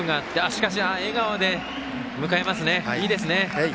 しかし、笑顔で迎えますねいいですね。